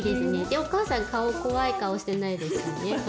お母さん顔怖い顔してないですよね？